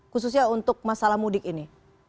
khususnya untuk masalah mudik ini